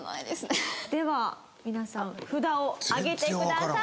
では皆さん札を上げてください。